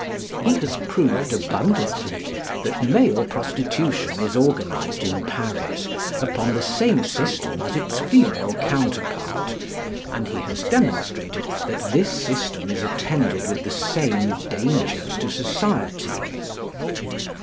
He has proved abundantly that male prostitution is organised in Paris upon the same system as its female counterpart, and he has demonstrated that this system is attended with the same dangers to society.